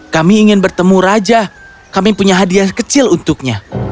kami ingin bertemu raja kami punya hadiah kecil untuknya